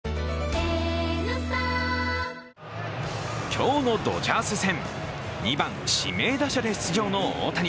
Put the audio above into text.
今日のドジャース戦、２番・指名打者で出場の大谷。